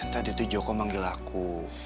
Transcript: tadi tuh joko manggil aku